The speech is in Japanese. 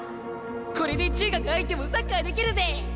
これで中学入ってもサッカーできるぜ！